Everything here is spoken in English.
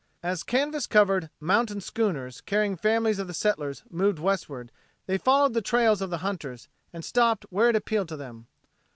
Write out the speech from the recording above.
As canvas covered mountain schooners carrying families of the settlers moved westward they followed the trails of the hunters and stopped where it appealed to them.